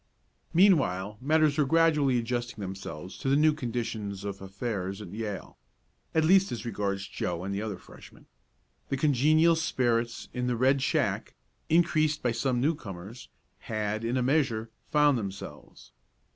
Meanwhile matters were gradually adjusting themselves to the new conditions of affairs at Yale at least as regards Joe and the other Freshmen. The congenial spirits in the Red Shack, increased by some newcomers, had, in a measure, "found" themselves.